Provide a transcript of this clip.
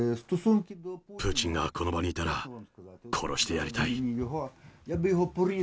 プーチンがこの場にいたら殺してやりたい。